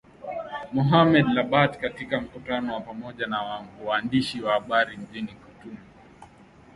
Mohamed Lebatt katika mkutano wa pamoja na waandishi wa habari mjini Khartoum